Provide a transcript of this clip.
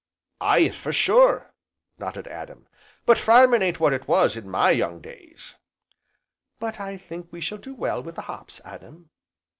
"Aye, for sure!" nodded Adam, "but farmin' ain't what it was in my young days!" "But I think we shall do well with the hops, Adam."